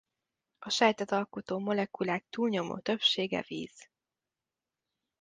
A sejtet alkotó molekulák túlnyomó többsége víz.